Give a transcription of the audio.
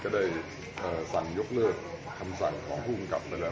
ก็ได้สั่งยกเลิกคำสั่งของผู้กำกับไปแล้ว